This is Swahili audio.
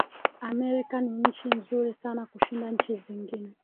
Amerika ni nchi nzuri sana kushinda nchi zingine